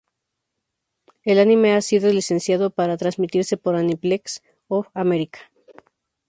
El anime ha sido licenciado para transmitirse por Aniplex of America.